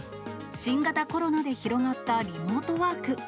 新型コロナで広がったリモートワーク。